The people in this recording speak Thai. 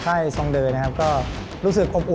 ช่วยฝังดินหรือกว่า